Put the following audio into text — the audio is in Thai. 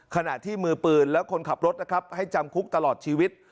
ขณะที่มือปืนและคนขับรถนะครับให้จำคุกตลอดชีวิต